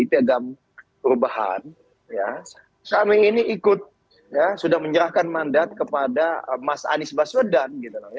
perubahan kami ini sudah menyerahkan mandat kepada mas anies baswedan